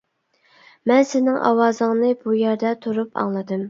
مەن سېنىڭ ئاۋازىڭنى بۇ يەردە تۇرۇپ ئاڭلىدىم.